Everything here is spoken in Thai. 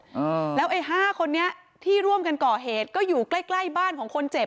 อ่าแล้วไอ้ห้าคนนี้ที่ร่วมกันก่อเหตุก็อยู่ใกล้ใกล้บ้านของคนเจ็บ